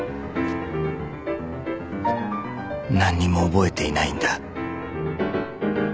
何も覚えていないんだ。